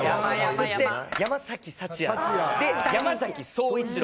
そして山福也で山颯一郎